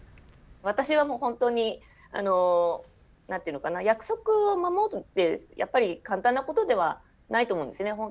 私はもう本当に何て言うのかな約束を守るってやっぱり簡単なことではないと思うんですよね。